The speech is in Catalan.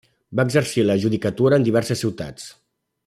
Va exercir la judicatura en diverses ciutats.